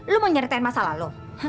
lo mau nyeritain masalah lo